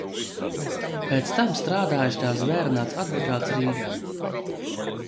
Pēc tam strādājis kā zvērināts advokāts Rīgā.